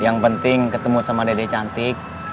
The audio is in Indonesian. yang penting ketemu sama dede cantik